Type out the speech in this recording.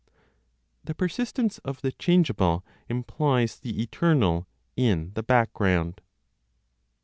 THE PERSISTENCE OF THE CHANGEABLE IMPLIES THE ETERNAL IN THE BACKGROUND.